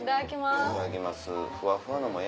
いただきます。